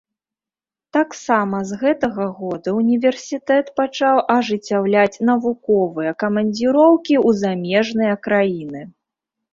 Таксама з гэтага года універсітэт пачаў ажыццяўляць навуковыя камандзіроўкі ў замежныя краіны.